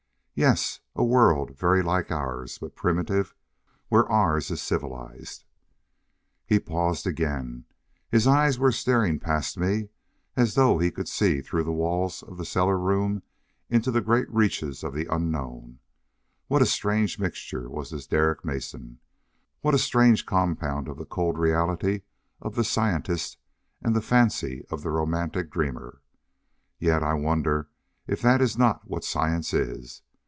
"Yes. A world very like ours. But primitive, where ours is civilized." He paused again. His eyes were staring past me as though he could see through the walls of the cellar room into great reaches of the unknown. What a strange mixture was this Derek Mason! What a strange compound of the cold reality of the scientist and the fancy of the romantic dreamer! Yet I wonder if that is not what science is.